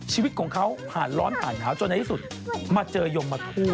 ชีวิตของเขาผ่านร้อนผ่านหนาวจนในที่สุดมาเจอยมทูต